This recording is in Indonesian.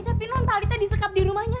tapi nontalita disekap di rumahnya